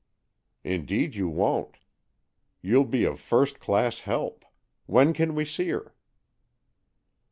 "Indeed you won't. You'll be of first class help. When can we see her?"